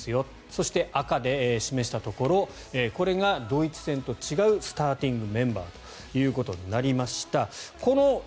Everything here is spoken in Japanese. そして、赤で示したところこれがドイツ戦と違うスターティングメンバーということになりました。